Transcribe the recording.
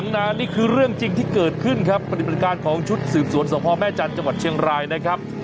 นานนี่คือเรื่องจริงที่เกิดขึ้นครับปฏิบัติการของชุดสืบสวนสพแม่จันทร์จังหวัดเชียงรายนะครับ